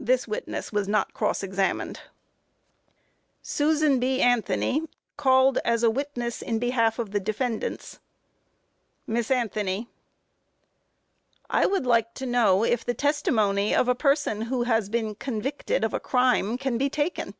[This witness was not cross examined.] SUSAN B. ANTHONY, called as a witness in behalf of the defendants. MISS ANTHONY: I would like to know if the testimony of a person who has been convicted of a crime, can be taken?